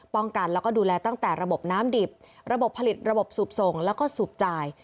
กันแล้วก็ดูแลตั้งแต่ระบบน้ำดิบระบบผลิตระบบสูบส่งแล้วก็สูบจ่าย